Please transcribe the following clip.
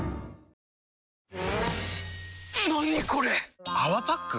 何これ⁉「泡パック」？